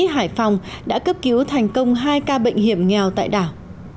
hải phòng đã cấp cứu thành công hai ca bệnh hiểm nghèo tại đảo